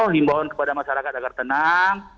himbawan kepada masyarakat agar tenang